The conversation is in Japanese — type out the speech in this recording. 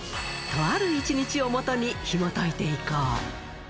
とある１日をもとにひもといていこう。